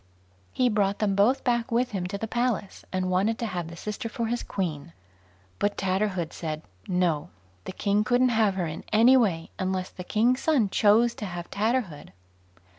He brought them both back with him to the Palace, and wanted to have the sister for his queen; but Tatterhood said "No"; the king couldn't have her in any way, unless the king's son chose to have Tatterhood.